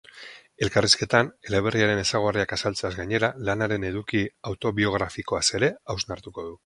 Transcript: Elkarrizketan, eleberriaren ezaugarriak azaltzeaz gainera, lanaren eduki autobiografikoaz ere hausnartuko du.